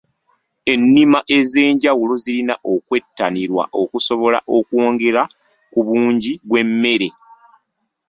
Ennima ez'enjawulo zirina okwettanirwa okusobola okwongera ku bungi bw'emmere.